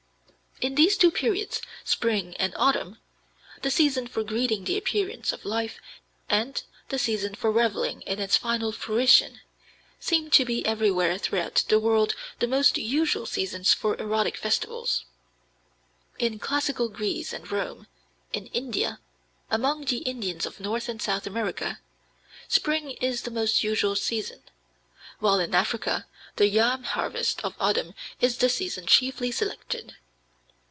These two periods, spring and autumn the season for greeting the appearance of life and the season for reveling in its final fruition seem to be everywhere throughout the world the most usual seasons for erotic festivals. In classical Greece and Rome, in India, among the Indians of North and South America, spring is the most usual season, while in Africa the yam harvest of autumn is the season chiefly selected.